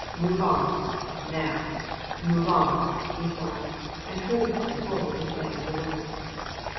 "Move on, now move on," he snarled, and herded them forward in advance of the workers.